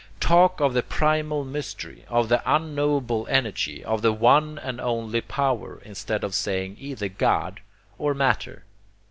Talk of the primal mystery, of the unknowable energy, of the one and only power, instead of saying either God or matter.